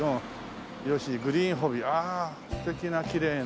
「グリーンホビー」ああ素敵なきれいな。